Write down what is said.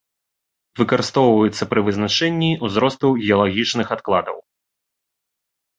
Выкарыстоўваюцца пры вызначэнні ўзросту геалагічных адкладаў.